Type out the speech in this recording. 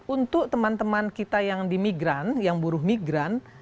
untuk teman teman kita yang dimigran yang buruh migran